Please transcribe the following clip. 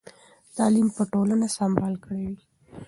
تعلیم به ټولنه سمبال کړې وي.